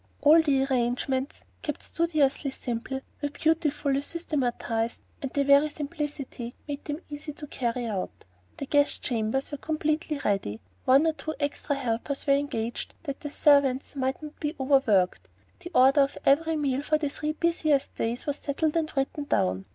All the arrangements, kept studiously simple, were beautifully systematized; and their very simplicity made them easy to carry out. The guest chambers were completely ready, one or two extra helpers were engaged that the servants might not be overworked, the order of every meal for the three busiest days was settled and written down.